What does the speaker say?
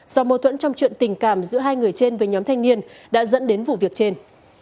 do mâu thuẫn trong chuyện tình cảm giữa hai người trên với nhóm thanh niên đã dẫn đến vụ việc trên